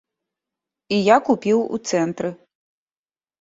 І я купіў у цэнтры.